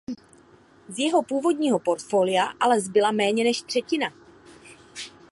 Z jeho původního portfolia ale zbyla méně než třetina.